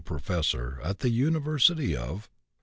professor at the University of